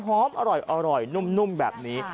หอมอร่อยนุ่มแบบนี้